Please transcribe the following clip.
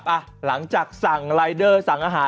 ใช่ครับหลังจากสั่งไลเดอร์สั่งอาหาร